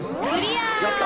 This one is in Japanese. やった！